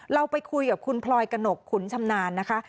เราไปคุยกับคุณพลอยกระหนกขุนชำนาญนะคะ